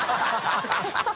ハハハ